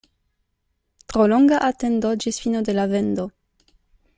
Tro longa atendo ĝis fino de la vendo.